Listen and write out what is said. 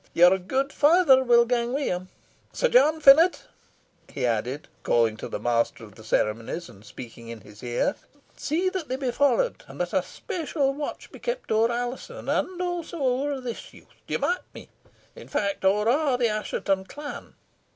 "Your gude father will gang wi' 'em. Sir John Finett," he added, calling to the master of the ceremonies, and speaking in his ear, "see that they be followed, and that a special watch be kept over Alizon, and also over this youth, d'ye mark me? in fact, ower a' the Assheton clan.